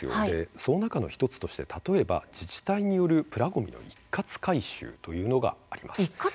その中の１つとして自治体によるプラごみの一括回収というのがあります。